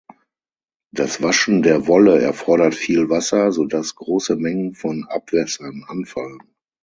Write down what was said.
Das Waschen der Wolle erfordert viel Wasser, so dass große Mengen von Abwässern anfallen.